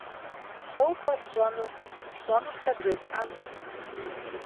- ЛӀо-тӀэ сщӀэнур? - ПщӀэнур сэ бжесӀэнщ.